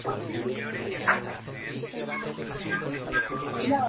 Nadie hasta ahora ha recorrido todo ese camino a pie.